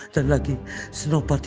dan lagi senopati